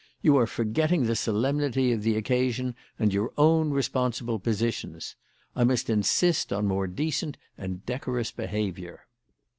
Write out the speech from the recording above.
You are forgetting the solemnity of the occasion and your own responsible positions. I must insist on more decent and decorous behaviour."